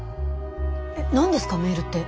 えっ何ですかメールって。